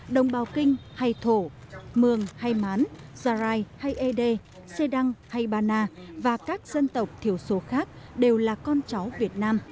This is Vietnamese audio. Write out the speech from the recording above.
đồng bào kinh hay thổ mường hay mán gia rai hay ede xê đăng hay ba na và các dân tộc thiểu số khác đều là con cháu việt nam